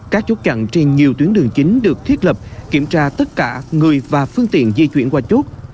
các chốt chặn trên nhiều tuyến đường chính được thiết lập kiểm tra tất cả người và phương tiện di chuyển qua chốt